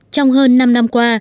trong hơn năm năm qua